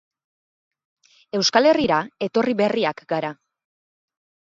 Euskal Herrira etorri berriak gara.